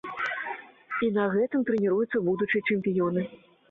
І на гэтым трэніруюцца будучыя чэмпіёны!